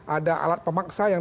ada alat pemaksa yang